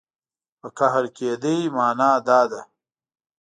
په قهر کېدو معنا دا ده.